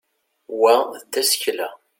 wa d tasekla